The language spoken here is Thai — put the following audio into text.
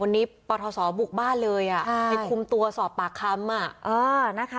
วันนี้ปรสอบบุกบ้านเลยมีคุมตัวสอบปากคำ